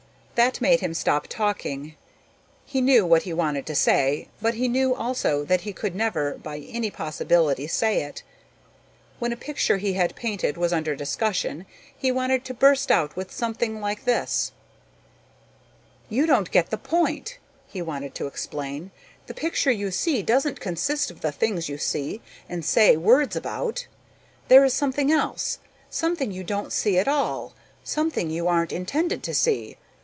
That made him stop talking. He knew what he wanted to say, but he knew also that he could never by any possibility say it. When a picture he had painted was under discussion, he wanted to burst out with something like this: "You don't get the point," he wanted to explain; "the picture you see doesn't consist of the things you see and say words about. There is something else, something you don't see at all, something you aren't intended to see.